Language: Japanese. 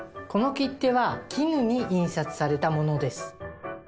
この切手は絹に印刷されたものです